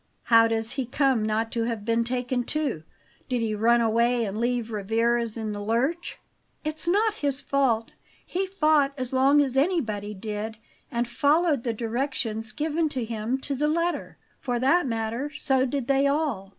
"How does he come not to have been taken too? Did he run away and leave Rivarez in the lurch?" "It's not his fault; he fought as long as anybody did, and followed the directions given him to the letter. For that matter, so did they all.